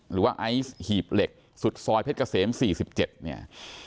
หรือว่าไอซ์หีบเหล็กสุดซอยเพชรเกษม๔๗เนี่ย